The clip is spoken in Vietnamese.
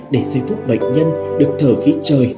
để giây phút bệnh nhân được thở khí trời